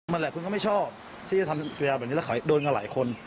นั่นแหละคุณก็ไม่ชอบที่จะทำเวลาแบบนี้แล้วโดนกันหลายคน